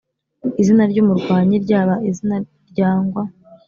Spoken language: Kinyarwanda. izina ry'umurwanyi ryaba izina ryangwa!